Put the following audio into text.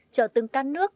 trợ từng căn nước